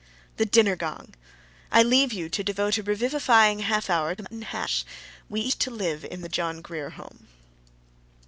The dinner gong! I leave you, to devote a revivifying half hour to mutton hash. We eat to live in the John Grier Home.